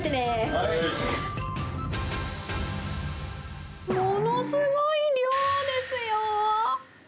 はーい！ものすごい量ですよ。